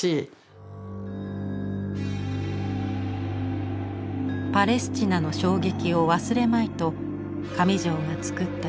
パレスチナの衝撃を忘れまいと上條が作った作品。